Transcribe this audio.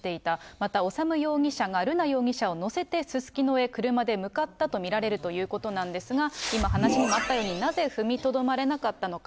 また修容疑者が瑠奈容疑者を乗せてすすきのへ車で向かったと見られるということなんですが、今、話にもあったように、なぜ踏みとどまれなかったのか。